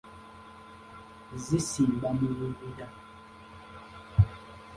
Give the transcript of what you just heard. Zisimba mu bibira.